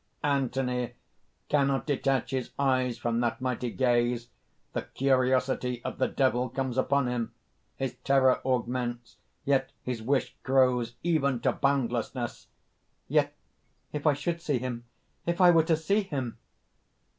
ANTHONY (_cannot detach his eyes from that mighty gaze: the curiosity of the Devil comes upon him. His terror augments; yet his wish grows even to boundlessness_): "Yet if I should see him ... if I were to see him!"